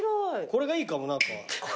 これがいいかも何か。